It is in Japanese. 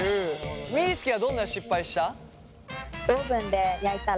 みーすけはどんな失敗した？